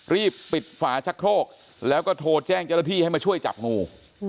รีบปิดฝาชะโครกแล้วก็โทรแจ้งเจ้าหน้าที่ให้มาช่วยจับงู